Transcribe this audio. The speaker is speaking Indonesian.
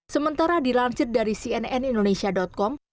sementara dilancet dari cnnindonesia com